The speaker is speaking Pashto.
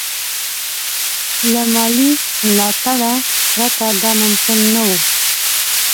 له مالي ملاتړه پرته دا ممکن نه وو.